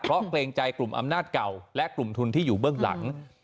เพราะเกรงใจกลุ่มอำนาจเก่าและกลุ่มทุนที่อยู่เบื้องหลัง